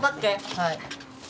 はい。